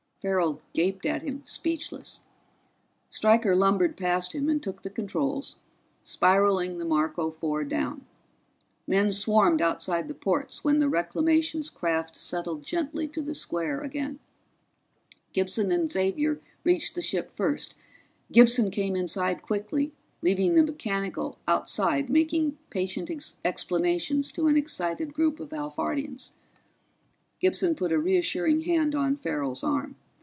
Farrell gaped at him, speechless. Stryker lumbered past him and took the controls, spiraling the Marco Four down. Men swarmed outside the ports when the Reclamations craft settled gently to the square again. Gibson and Xavier reached the ship first; Gibson came inside quickly, leaving the mechanical outside making patient explanations to an excited group of Alphardians. Gibson put a reassuring hand on Farrell's arm.